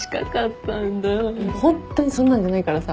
ホントにそんなんじゃないからさ。